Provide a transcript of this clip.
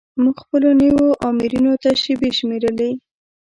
موږ خپلو نویو آمرینو ته شیبې شمیرلې.